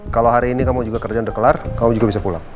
kalau hari ini kamu juga kerja udah kelar kamu juga bisa pulang